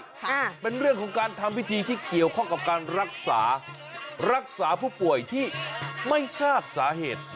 ค่ะเป็นเรื่องของการทำพิธีที่เกี่ยวข้องกับการรักษารักษาผู้ป่วยที่ไม่ทราบสาเหตุ